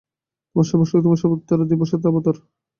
তোমরা সর্বশক্তিমান্, সর্বত্র অবস্থিত, দিব্যসত্তার অবতার।